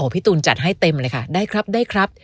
พี่ตูนจัดให้เต็มเลยค่ะได้ครับได้ครับ